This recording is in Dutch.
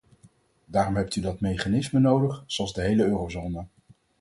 Daarom hebt u dat mechanisme nodig, zoals de hele eurozone.